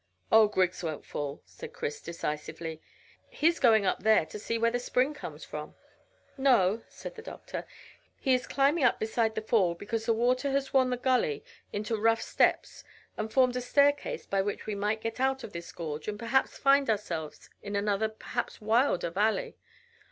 "Oh, Griggs won't fall," said Chris decisively. "He's going up there to see where the spring comes from." "No," said the doctor. "He is climbing up beside the fall because the water has worn the gully into rough steps and formed a staircase by which we might get out of this gorge and perhaps find ourselves in another perhaps wilder valley.